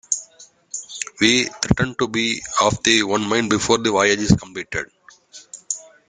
We threaten to be of the one mind before the voyage is completed.